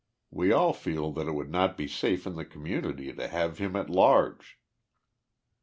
We all feel that it would not be safe to the community to have him at large.